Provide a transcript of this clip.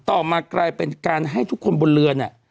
ต่อมากลายเป็นการให้ทุกคนบนเรือเนี่ย